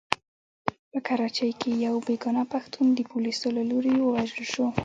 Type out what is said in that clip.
په کراچۍ کې يو بې ګناه پښتون د پوليسو له لوري ووژل شو.